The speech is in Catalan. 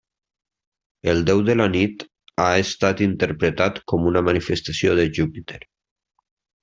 El déu de la nit ha estat interpretat com una manifestació de Júpiter.